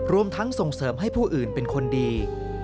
รวมทั้งส่งเสริมให้ผู้อื่นเป็นคนดี